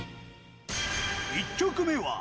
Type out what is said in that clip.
１曲目は。